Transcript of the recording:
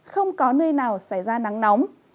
không có nơi nào xảy ra nắng nóng